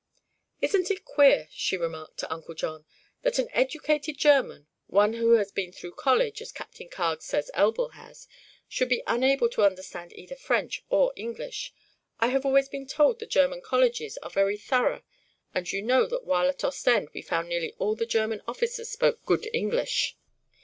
"Isn't it queer," she remarked to Uncle John, "that an educated German one who has been through college, as Captain Carg says Elbl has should be unable to understand either French or English? I have always been told the German colleges are very thorough and you know that while at Ostend we found nearly all the German officers spoke good English."